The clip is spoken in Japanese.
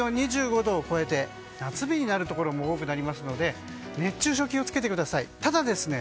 昼間の気温、２５度を超えて夏日になるところも多くなりますので熱中症、気をつけてください。